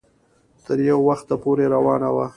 تر يو وخته پورې روانه وه